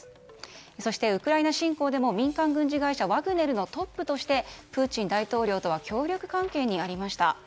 そして、ウクライナ侵攻でも民間軍事会社ワグネルのトップとしてプーチン大統領とは協力関係にありました。